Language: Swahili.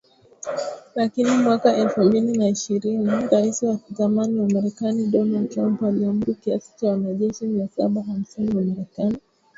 Lakini mwaka elfu mbili na ishirini Rais wa zamani wa Marekani Donald Trump aliamuru kiasi cha wanajeshi mia saba hamsini wa Marekani